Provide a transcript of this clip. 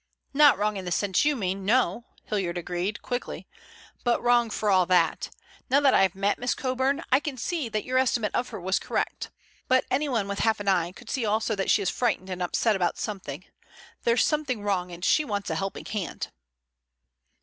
"Not wrong in the sense you mean, no," Hilliard agreed quickly, "but wrong for all that. Now that I have met Miss Coburn I can see that your estimate of her was correct. But anyone with half an eye could see also that she is frightened and upset about something. There's something wrong, and she wants a helping hand."